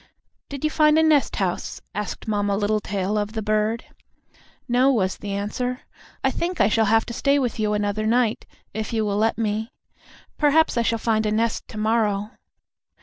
"Did you find a nest house?" asked Mamma Littletail of the bird. "No," was the answer, "I think I shall have to stay with you another night, if you will let me. Perhaps I shall find a nest to morrow."